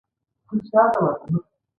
له تهدید سره مخامخ دی.